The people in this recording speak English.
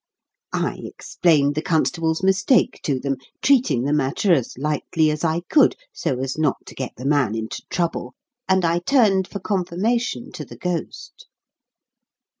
I explained the constable's mistake to them, treating the matter as lightly as I could, so as not to get the man into trouble, and I turned for confirmation to the ghost.